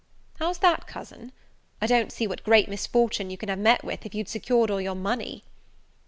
"How's that, cousin? I don't see what great misfortune you can have met with, if you'd secured all your money."